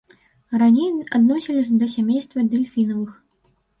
Раней адносіліся да сямейства дэльфінавых.